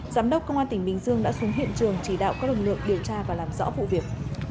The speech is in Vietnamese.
giám đốc công an tỉnh bình dương đã xuống hiện trường chỉ đạo các lực lượng điều tra và làm rõ vụ việc